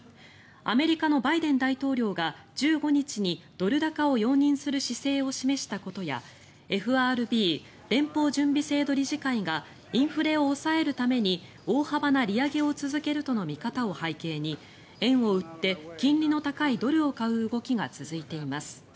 アメリカのバイデン大統領が１５日にドル高を容認する姿勢を示したことやＦＲＢ・連邦準備制度理事会がインフレを抑えるために大幅な利上げを続けるとの見方を背景に円を売って金利の高いドルを買う動きが続いています。